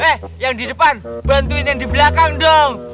eh yang di depan bantuin yang di belakang dong